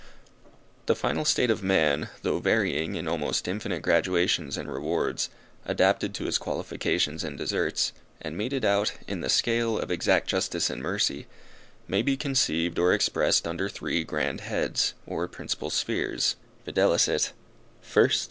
The final state of man, though varying in almost infinite gradations and rewards, adapted to his qualifications and deserts, and meted out in the scale of exact justice and mercy, may be conceived or expressed under three grand heads, or principal spheres, viz. First.